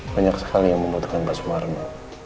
banyak sekali yang membutuhkan pak sumarno